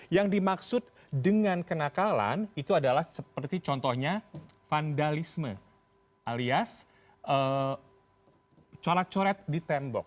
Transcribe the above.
yang dimaksud dengan kenakalan itu adalah seperti contohnya vandalisme alias colat coret di tembok